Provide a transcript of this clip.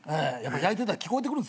焼いてたら聞こえてくる。